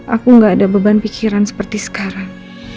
aku gak ada beban pikiran seperti sekarang